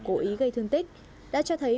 cố ý gây thương tích đã cho thấy